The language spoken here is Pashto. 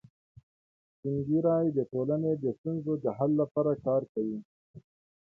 سپین ږیری د ټولنې د ستونزو د حل لپاره کار کوي